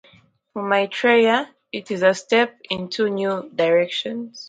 For Maitreya, it is a step into new directions.